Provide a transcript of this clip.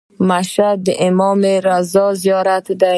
مشهد د امام رضا زیارت دی.